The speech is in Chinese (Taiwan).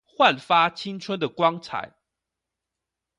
煥發青春的光彩